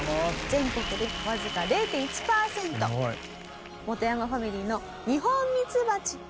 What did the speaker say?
全国でわずか０．１パーセント本山ファミリーのニホンミツバチ。